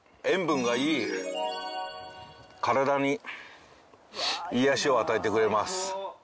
塩分がいい体に癒やしを与えてくれます。